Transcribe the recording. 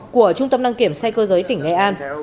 của trung tâm đăng kiểm xe cơ giới tỉnh nghệ an